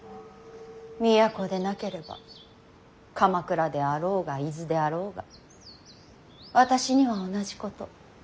都でなければ鎌倉であろうが伊豆であろうが私には同じこと。